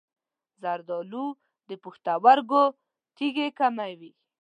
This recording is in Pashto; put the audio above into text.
زردآلو د پښتورګو تیږې کموي.